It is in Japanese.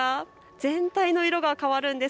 全体の色が変わるんです。